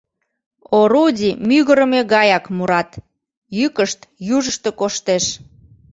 Орудий мӱгырымӧ гаяк мурат, йӱкышт южышто коштеш.